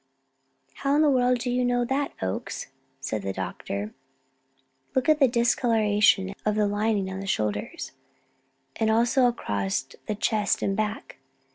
"How in the world do you know that, Oakes?" said the doctor. "Look at the discoloration of the lining on the shoulders, and also across the chest and back.